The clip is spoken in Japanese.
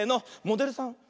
「モデルさん」！